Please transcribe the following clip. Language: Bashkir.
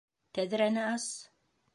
Тәҙрәне ас!